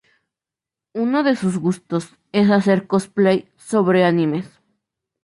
Uno de sus gustos, es hacer Cosplay sobre Animes.